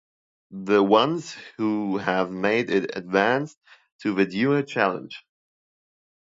The ones who have made it advanced to the Duet Challenge.